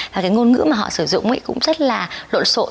và cái ngôn ngữ mà họ sử dụng cũng rất là lộn sội